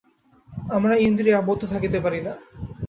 আমরা ইন্দ্রিয়ে আবদ্ধ থাকিতে পারি না।